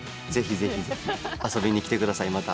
ぜひぜひぜひ遊びに来てください。